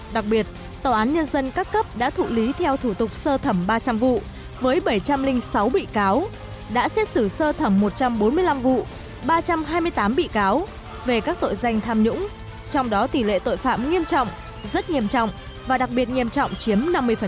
đặc biệt tòa án nhân dân các cấp đã thụ lý theo thủ tục sơ thẩm ba trăm linh vụ với bảy trăm linh sáu bị cáo đã xét xử sơ thẩm một trăm bốn mươi năm vụ ba trăm hai mươi tám bị cáo về các tội danh tham nhũng trong đó tỷ lệ tội phạm nghiêm trọng rất nghiêm trọng và đặc biệt nghiêm trọng chiếm năm mươi